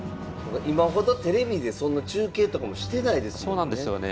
今ほどテレビでそんな中継とかもしてないですもんね。